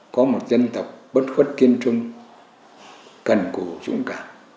có một dân tộc bất khuất kiên trung cần cổ dũng cảm